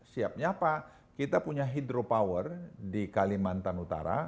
siapnya apa kita punya hidropower di kalimantan utara